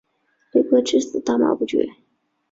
李圭至死大骂不绝。